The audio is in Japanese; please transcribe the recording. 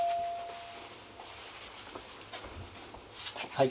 はい。